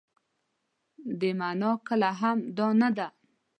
دې مانا کله هم دا نه ده.